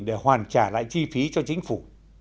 để hoàn trả lại chi phí cho chính phủ